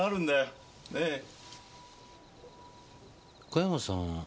小山さん